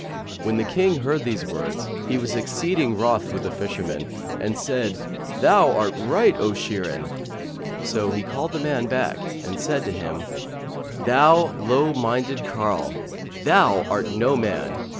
When the King heard these words, he was exceeding wroth with the fisherman and said, "Thou art right, O Shirin!" So he called the man back and said to him, "Thou low minded carle! Thou art no man!